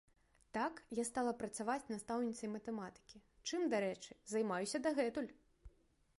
Так я стала працаваць настаўніцай матэматыкі, чым, дарэчы, займаюся дагэтуль!